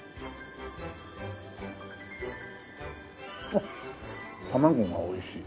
あっ卵がおいしい。